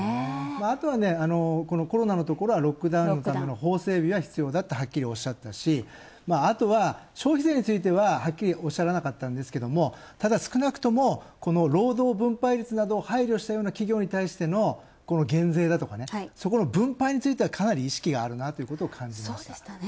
あとは、コロナのところはロックダウンのための法整備は必要だとはっきりおっしゃったし、あとは消費税についてははっきりおっしゃらなかったんですけれども、ただ、少なくとも労働分配率などを配慮したような企業に対しての減税だとか、そこの分配についてはかなり意識があるなと感じました。